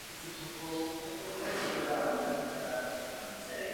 Tímto způsobem politická ekonomie rozšířila důraz na ekonomii.